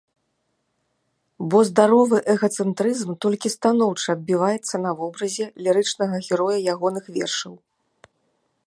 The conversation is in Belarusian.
Бо здаровы эгацэнтрызм толькі станоўча адбіваецца на вобразе лірычнага героя ягоных вершаў.